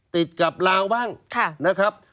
ติดกับลาวบ้างนะครับ